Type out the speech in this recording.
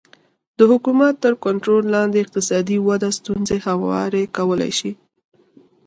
د حکومت تر کنټرول لاندې اقتصادي وده ستونزې هوارې کولی شي